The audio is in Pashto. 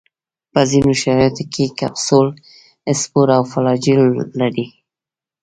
په ځینو شرایطو کې کپسول، سپور او فلاجیل لري.